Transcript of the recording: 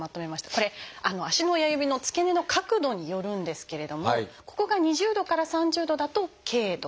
これ足の親指の付け根の角度によるんですけれどもここが２０度から３０度だと「軽度」。